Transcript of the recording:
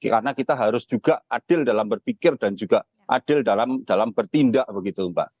karena kita harus juga adil dalam berpikir dan juga adil dalam bertindak begitu mbak